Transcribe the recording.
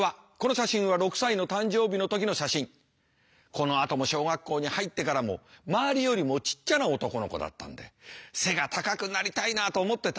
このあとも小学校に入ってからも周りよりもちっちゃな男の子だったんで背が高くなりたいなと思ってた。